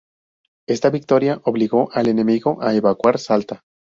Esta victoria obligó al enemigo a evacuar Salta.